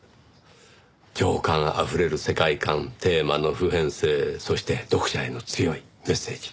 情感あふれる世界観テーマの普遍性そして読者への強いメッセージ。